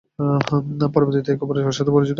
পরবর্তীতে একে অপরের সাথে পরিচিত হন।